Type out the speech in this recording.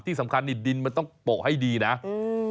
ที่สำคัญนี่ดินมันต้องโปะให้ดีนะอืม